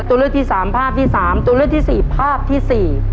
ตัวเลือกที่สามภาพที่สามตัวเลือกที่สี่ภาพที่สี่